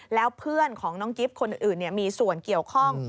แล้วเพื่อนของน้องกิฟต์คนอื่นมีส่วนเกี่ยวข้อง